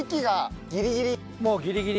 もうギリギリ。